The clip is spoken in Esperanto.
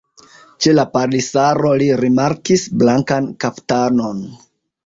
Ĉe la palisaro li rimarkis blankan kaftanon.